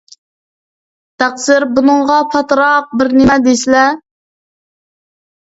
تەقسىر، بۇنىڭغا پاتراق بىرنېمە دېسىلە.